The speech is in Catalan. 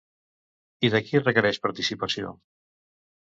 I de qui requereix participació?